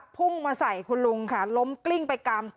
พุ่งมาใส่คุณลุงค่ะล้มกลิ้งไปกำ